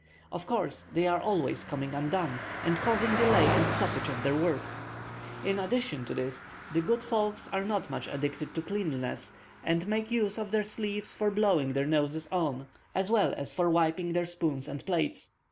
Of course they are always coming undone, and causing delay and stoppage of their work. In addition to this, the good folks are not much addicted to cleanliness, and make use of their sleeves for blowing their noses on, as well as for wiping their spoons and plates.